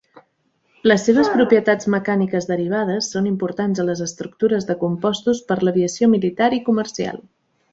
Les seves propietats mecàniques derivades són importants a les estructures de compostos per l'aviació militar i comercial.